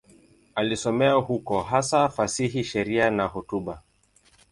Alisomea huko, hasa fasihi, sheria na hotuba.